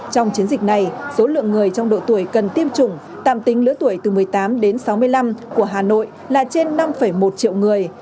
trong chiến dịch này số lượng người trong độ tuổi cần tiêm chủng tạm tính lứa tuổi từ một mươi tám đến sáu mươi năm của hà nội là trên năm một triệu người